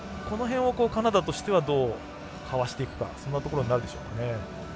この辺を、カナダとしてはどうかわしていくかそんなところになるでしょうかね。